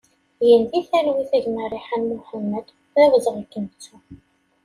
Gen di talwit a gma Riḥan Mohamed, d awezɣi ad k-nettu!